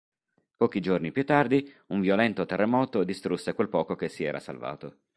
Pochi giorni più tardi un violento terremoto distrusse quel poco che si era salvato.